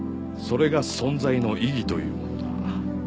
それが存在の意義というものだ。